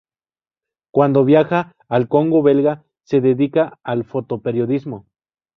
Cuando viaja al Congo belga, se dedica al fotoperiodismo.